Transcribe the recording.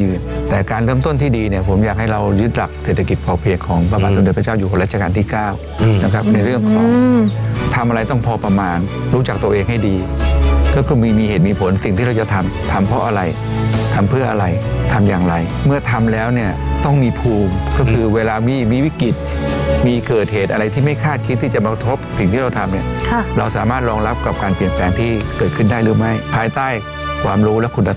อืมทำอะไรต้องพอประมาณรู้จักตัวเองให้ดีก็คงมีเหตุมีผลสิ่งที่เราจะทำทำเพราะอะไรทำเพื่ออะไรทำอย่างไรเมื่อทำแล้วเนี้ยต้องมีภูมิก็คือเวลามีมีวิกฤติมีเกิดเหตุอะไรที่ไม่คาดคิดที่จะมาทบถึงที่เราทำเนี้ยค่ะเราสามารถรองรับกับการเปลี่ยนแปลงที่เกิดขึ้นได้หรือไม่ภายใต้ความร